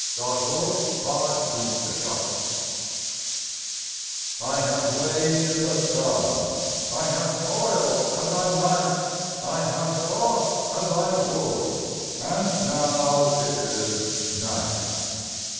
_ FORTUNATUS NIMIUM I have lain in the sun I have toil'd as I might I have thought as I would And now it is night.